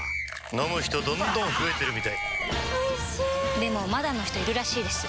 飲む人どんどん増えてるみたいおいしでもまだの人いるらしいですよ